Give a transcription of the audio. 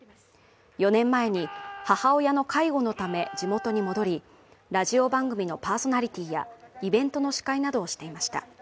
４年前に母親の介護のため地元に戻り、ラジオ番組のパーソナリティーや、イベントの司会などをしていました。